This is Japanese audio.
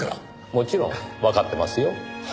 もちろんわかってますよ。